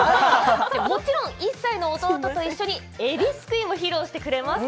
もちろん１歳の弟と一緒に「えびすくい」も披露してくれます！